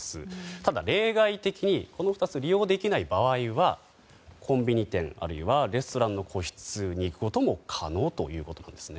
ただ、例外的にこの２つを利用できない場合はコンビニ店あるいはレストランの個室に行くことも可能ということなんですね。